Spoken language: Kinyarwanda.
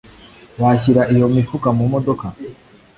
Washyira iyo mifuka mumodoka